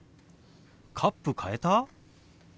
カップ変えた？